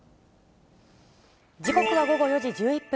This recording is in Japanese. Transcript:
時刻は午後４時１１分。